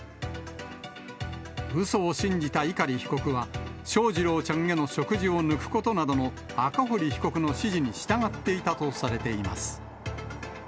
うそを信じた碇被告は、翔士郎ちゃんへの食事を抜くことなどの赤堀被告の指示に従っていたとされています。